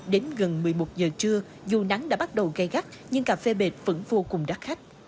đến gần một mươi một giờ trưa dù nắng đã bắt đầu gây gắt nhưng cà phê bệt vẫn vô cùng đắt khách